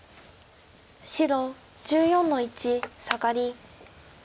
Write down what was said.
白１４の一サガリ。